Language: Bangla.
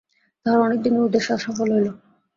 তাহার অনেক দিনের উদ্দেশ্য আজ সফল হইল।